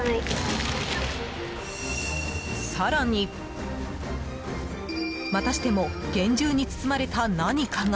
更に、またしても厳重に包まれた何かが。